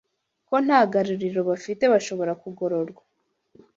ko nta garuriro bafite bashobora kugororwa